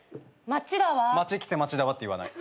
街来て「街だわ」って言わない。